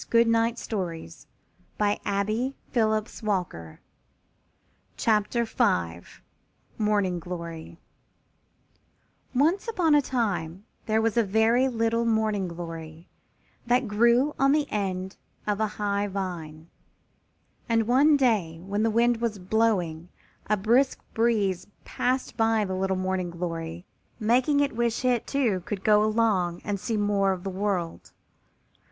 You are supposed to love us," said Paper Doll. MORNING GLORY [Illustration: Morning glory] Once upon a time there was a very little Morning glory that grew on the end of a high vine, and one day when the wind was blowing a brisk breeze passed by the little Morning glory, making it wish it, too, could go along and see more of the world.